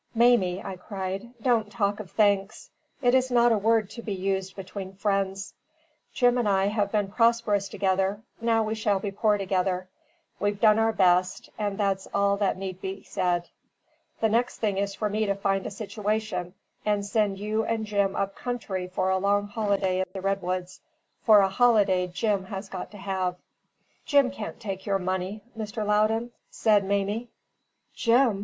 "Mamie," I cried, "don't talk of thanks; it is not a word to be used between friends. Jim and I have been prosperous together; now we shall be poor together. We've done our best, and that's all that need be said. The next thing is for me to find a situation, and send you and Jim up country for a long holiday in the redwoods for a holiday Jim has got to have." "Jim can't take your money, Mr. Loudon," said Mamie. "Jim?"